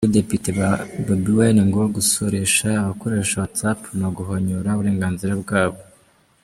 Kuri Depite Bobi Wine ngo gusoresha abakoresha whatsapp ni uguhonyora uburenganzira bwabo.